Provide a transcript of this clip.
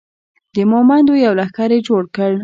د مومندو یو لښکر یې جوړ کړ.